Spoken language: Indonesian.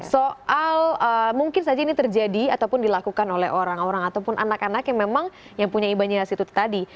soal mungkin saja ini terjadi ataupun dilakukan oleh orang orang ataupun anak anak yang memang yang punya ibajinasi itu tadi